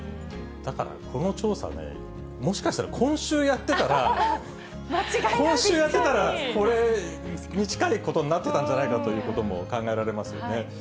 だからこの調査ね、もしかしたら、今週やってたら、今週やってたら、これに近いことになってたんじゃないかということも考えられますよね。